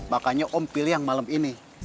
makanya om pilih yang malam ini